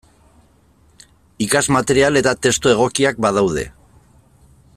Ikasmaterial eta testu egokiak badaude.